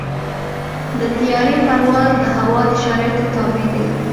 د طیارې پرواز د هوا د شرایطو تابع دی.